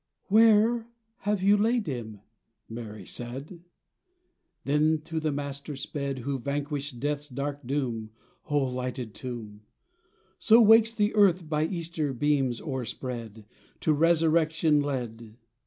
"Where have ye laid Him?" Mary said, Then to the Master sped, Who vanquished death's dark doom, O lighted tomb! So wakes the earth by Easter beams o'er spread, To resurrection led.